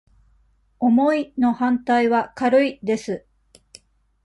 「重い」の反対は「軽い」です。